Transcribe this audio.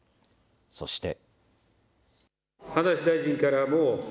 そして。